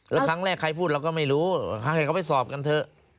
แล้วครั้งแรกใครพูดเราก็ไม่รู้ให้เขาไปสอบกันเถอะ